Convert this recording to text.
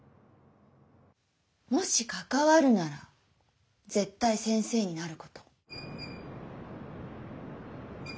もし関わるなら絶対先生になること。